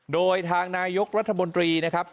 โดยทางนายกรัฐมนตรีนะครับ